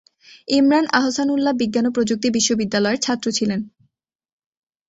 ইমরান আহসানউল্লাহ বিজ্ঞান ও প্রযুক্তি বিশ্ববিদ্যালয়ের ছাত্র ছিলেন।